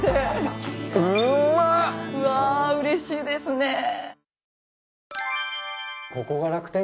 うわうれしいですね。